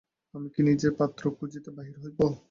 আমি কি নিজে পাত্র খুঁজিতে বাহির হইব।